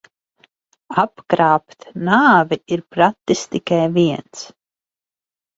Apkrāpt nāvi ir pratis tikai viens.